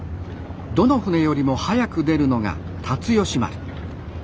どの船よりも早く出るのが竜喜丸。